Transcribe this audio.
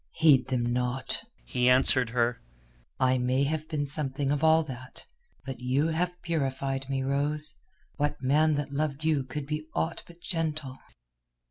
"Heed them not," he answered her. "I may have been something of all that, but you have purified me, Rose. What man that loved you could be aught but gentle."